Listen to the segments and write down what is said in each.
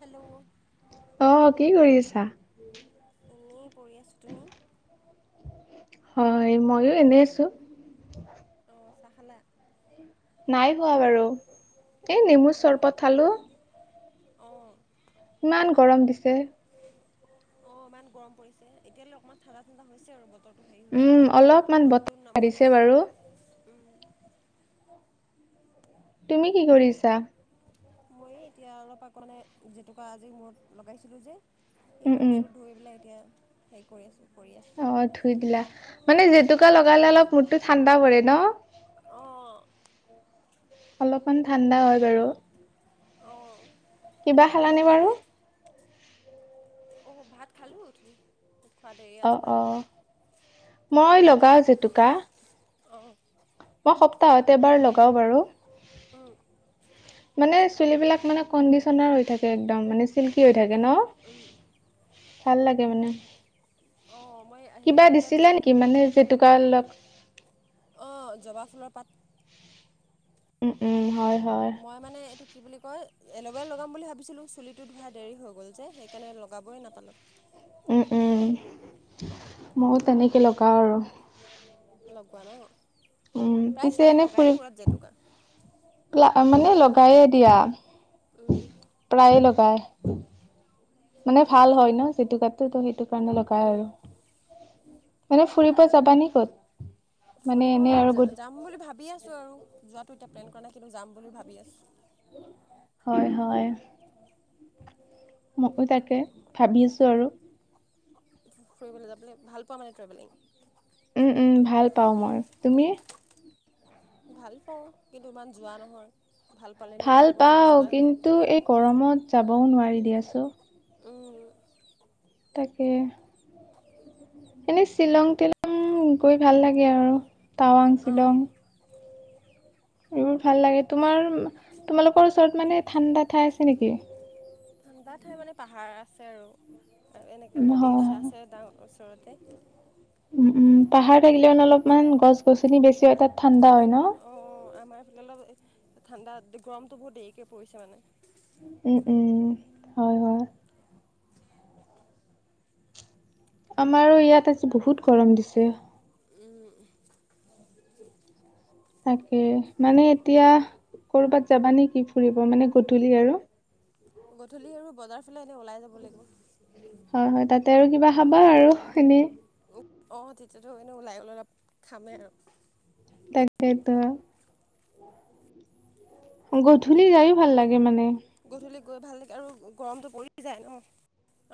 Hello অহ কি কৰিআছা? শুই আছিলোঁ। হয় ময়ো এনেই আছোঁ। অঁ চাহ খালা? নাই শুৱা বাৰু, এই নেমুৰ চৰবত খালোঁ। অ' ইমান গৰম দিছে। অ ইমান গৰম পৰিছে, এতিয়ালৈ অকমান ঠাণ্ডা ঠাণ্ডা হৈছে আৰু বতৰ। উম অলপমান বতাহ মাৰিছে বাৰু। তুমি কি কৰিআছা? মই এতিয়া অলপ আকৌ মে জেতুকা আজি মূৰত লগাইছিলোঁ যে। এই উম, মূৰ উম, চুৰ ধুই পেলাই এতিয়া হেৰি কৰি আছোঁ। কৰি আছোঁ অ ধুই দিলা, মানে জেতুকা লগালে অলপ মূৰতটো ঠাণ্ডা পৰে ন? অহ অলপমান ঠাণ্ডা হয় বাৰু। অঁ কিবা তুমি খালানে লগোৱানে বাৰু? অঁ ভাত খালোঁ, [unintelligible] খোৱা দেই আজি অ', ভাত। অ', মই লগাও জেতুকা। অ মই সপ্তাহত এবাৰ লগাওঁ বাৰু। উম। মানে চুলিবিলাক মানে কণ্ডিচনাৰ হৈ থাকে একদম মানে চিল্কি হৈ। থাকে ন, ভাল লাগে মানে। অঁ মই হেৰি কিবা এতিয়া দেৰি দিছিলা নেকি মানে জেতুকা অলপ অঁ জবা ফুলৰ পাত। উম উম হয়। হয় মই মানে এইটো। কি বুলি কয় এল'ভেৰা লগাম বুলি ভাবিছিলোঁ চুলিটো ধৰা দেৰি হৈ গ'ল যে সেইকাৰণে লগাবই নাপালোঁ। উম উম ময়ো তেনেকে লগাওঁ আৰু। লগোৱা ন উম প্ৰায় পিছে ছোৱালী এনে ফুৰি লগাই মোৰত জেতুকা। মানে লগায়ে দিয়া। উম প্ৰায়ে লগাই, মানে ভাল হয় ন জেতুকাত সেইটো সেইটো কাৰণে লগাই উম আৰু, মানে ফুৰিব যাবানে ক'ত? মানে ফুৰিব এনেই আৰু য গ যাম বুলি ভাবি আছো আৰু যোৱাতো ইতাত প্লেন কৰা নাই কিন্তু যাম বুলি ভাবি আছোঁ। হয় হয় মকুতাকে তাকে ভাবিছোঁ আৰু। ফুৰিবলৈ যাবলৈ ভাল পোৱা মানে ট্ৰেভেলিং? উম, উম, ভাল পাওঁ মই, তুমি? ভাল পাওঁ কিন্তু ইমান যোৱা নহয়। ভাল পালেনো কি ভাল হ'ব যদি পাও যোৱাই কিন্তু এই গৰমত যাবও নোৱাৰি দিয়াচোন। নহয় তাকে। এনেই শ্বিলং তিলং গৈ ভাল লাগে আৰু টাৱাং, অঁ শ্বিলং। এইবোৰ ভাল লাগে তোমাৰ তোমালোকৰ ওচৰত মানে ঠাণ্ডা ঠাই আছে নেকি? ঠাণ্ডা ঠাই মানে পাহাৰ আছে আৰু, আৰু এনেকে উম, নদী হয় ওচ আছে ডাঙৰ ওচৰত। তে উ উম পাহাৰ থাকিলে মানে অলপমান গছ গছনি বেছি হয় তাত ঠাণ্ডা গছ হয় ন। অঁ আমাৰ এইফালে অলপ ঠাণ্ডা গৰমটো বহুত দেৰিকৈ পৰিছে মানে। হয়, হয়। আমাৰো ইয়াত আজি বহুত গৰম দিছে। তাকে মানে এতিয়া কৰবাত যাবা নে কি? ফুৰিব মানে গধূলি আৰু গধূলি আৰু বজাৰ ফালে এনে ওলাই যাব লাগিব। হয়, হয় তাতে আৰু কিবা খাবা আৰু এনে। অ', তেতিয়াতো এনে ওলাই লৈ অলপ খামেই আৰু। তাকেতো। গধূলি যায়ও ভাল লাগে মানে। গধূলি গৈ ভাল লাগে আৰু গৰমতটো পৰি যায় ন?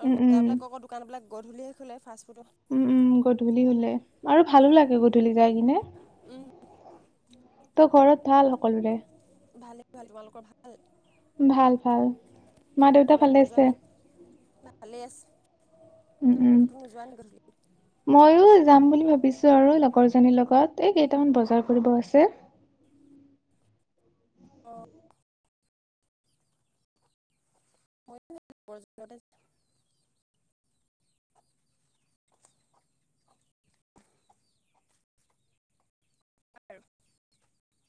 আৰু উম উম বজাবিলাক আকৌ দোকান বিলাক গধূলি হে খ'লে ফা উম, উম, গধূলি হলে আৰু ভালো লাগে গধূলি যাই কিনে। [inaudible] তোৰ ঘৰত ভাল সকলোৰে? ভালেই, ভাল তোমালোকৰ ভাল। ভাল, ভাল মা, দেউতা ভালে আছে? ভালে আছে। উম, তুমি উম ক'তো নোযোৱা নি গধূলি? ময়ো। যাম বুলি ভাবিছো আৰু লগৰ জনীৰ লগত এই কেইটামান বজাৰ কৰিব আছে। [inaudible] অ ৰ আৰু